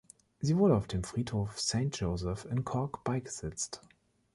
Sie wurde auf dem Friedhof Saint Joseph in Cork beigesetzt.